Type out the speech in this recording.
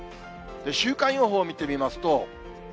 週間予報見てみますと。